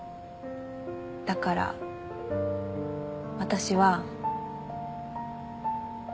だから私は。